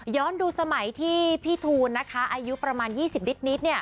ดูสมัยที่พี่ทูลอายุประมาณ๒๐นิด